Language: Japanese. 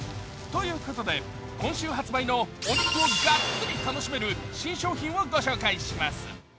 ということで今週発売のお肉をがっつり楽しめる新商品をご紹介します。